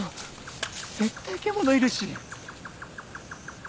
絶対獣いるし。